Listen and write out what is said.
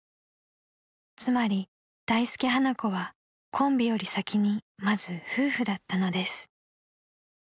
［つまり大助・花子はコンビより先にまず夫婦だったのです］